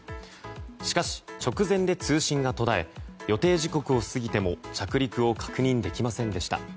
しかし直前で通信が途絶え予定時刻を過ぎても着陸を確認できませんでした。